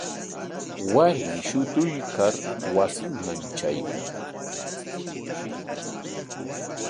Warmi shutuykar wasinman traykan.